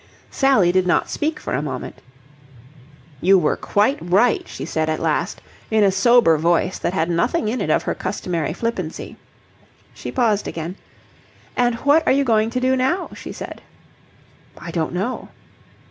Sally did not speak for a moment. "You were quite right," she said at last, in a sober voice that had nothing in it of her customary flippancy. She paused again. "And what are you going to do now?" she said. "I don't know."